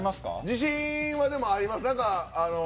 自信はあります。